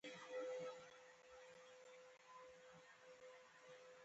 ځیني قیدونه ګرامري اړخ لري؛ نه قاموسي.